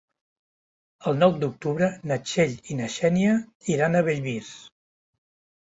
El nou d'octubre na Txell i na Xènia iran a Bellvís.